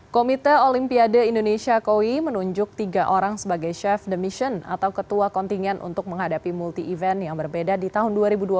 komite olimpiade indonesia koi menunjuk tiga orang sebagai chef demission atau ketua kontingen untuk menghadapi multi event yang berbeda di tahun dua ribu dua puluh